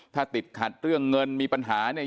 ถ้าติดขัดเรื่องเงินมีปัญหาเนี่ย